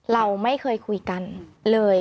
เราไม่เคยคุยกันเลย